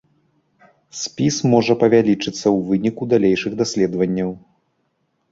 Спіс можа павялічыцца ў выніку далейшых даследаванняў.